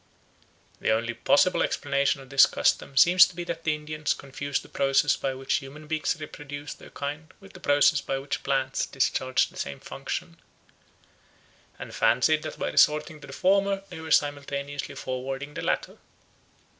The only possible explanation of this custom seems to be that the Indians confused the process by which human beings reproduce their kind with the process by which plants discharge the same function, and fancied that by resorting to the former they were simultaneously forwarding the latter.